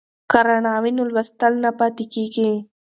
که رڼا وي نو لوستل نه پاتې کیږي.